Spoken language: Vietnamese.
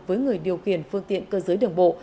với người điều khiển phương tiện cơ giới đường bộ